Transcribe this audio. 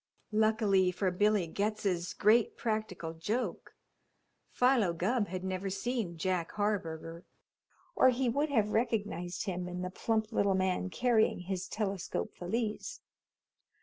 Luckily for Billy Getz's great practical joke, Philo Gubb had never seen Jack Harburger, or he would have recognized him in the plump little man carrying his telescope valise.